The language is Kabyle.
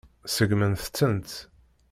Segnemt-tent.